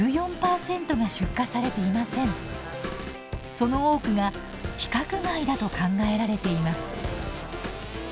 その多くが規格外だと考えられています。